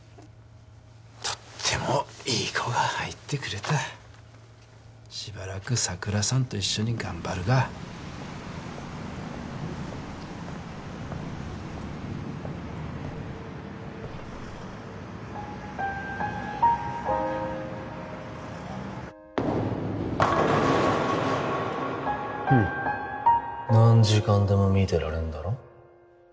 とってもいい子が入ってくれたしばらく佐倉さんと一緒に頑張るがフッ何時間でも見てられんだろ？